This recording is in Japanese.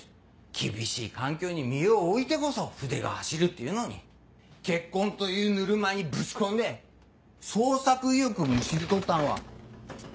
厳しい環境に身を置いてこそ筆が走るっていうのに結婚というぬるま湯にぶち込んで創作意欲むしり取ったのは。